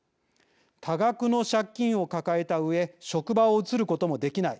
多額の借金を抱えたうえ職場を移ることもできない。